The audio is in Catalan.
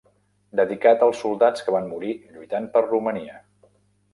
Dedicat als soldats que van morir lluitant per Romania.